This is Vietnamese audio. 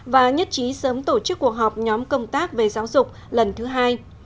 và nhất trí sớm tổ chức cuộc họp nhóm công tác về giáo dục lần thứ hai